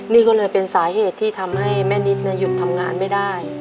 นี่ก็เลยเป็นสาเหตุที่ทำให้แม่นิดหยุดทำงานไม่ได้